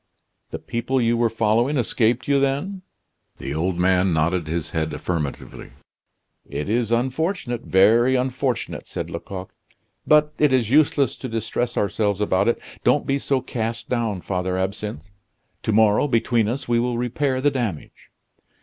"The people you were following escaped you, then?" The old man nodded his head affirmatively. "It is unfortunate very unfortunate!" said Lecoq. "But it is useless to distress ourselves about it. Don't be so cast down, Father Absinthe. To morrow, between us, we will repair the damage."